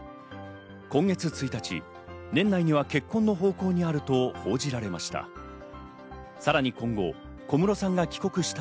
今月１日、年内には結婚の方向にあると報じられました。